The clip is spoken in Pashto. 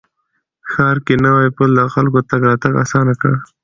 ښار کې نوی پل د خلکو تګ راتګ اسانه کړ